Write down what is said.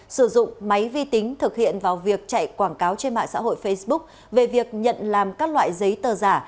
sử dụng máy vi tính thực hiện vào việc chạy quảng cáo trên mạng xã hội facebook về việc nhận làm các loại giấy tờ giả